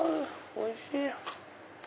おいしい。